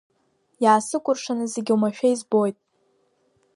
Иаасыкәыршаны зегьы оумашәа избоит!